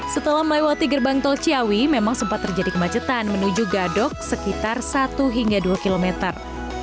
setelah melewati gerbang tol ciawi memang sempat terjadi kemacetan menuju gadok sekitar satu hingga dua kilometer